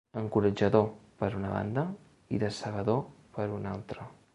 Encoratjador, per una banda, i decebedor, per una altra.